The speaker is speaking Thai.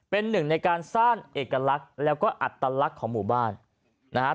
เป็นหนึ่งในการสร้างเอกลักษณ์แล้วก็อัตลักษณ์ของหมู่บ้านนะฮะ